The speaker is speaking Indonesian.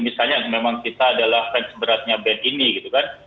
misalnya memang kita adalah fans beratnya band ini gitu kan